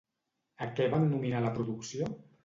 A què van nominar la producció?